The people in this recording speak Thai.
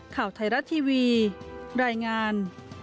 ข่าวไทยรัฐทีวีรายงาน